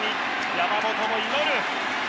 山本も祈る！